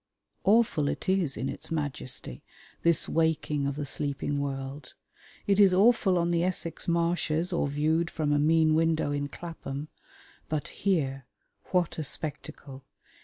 Awful it is in its majesty this waking of the sleeping world. It is awful on the Essex marshes or viewed from a mean window in Clapham. But here, what a spectacle!